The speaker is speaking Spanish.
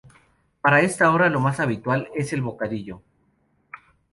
Para esta hora lo más habitual es el bocadillo.